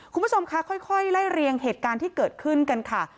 คุณผู้ชมคะค่อยไล่เรียงเหตุการณ์ที่เกิดขึ้นกันค่ะ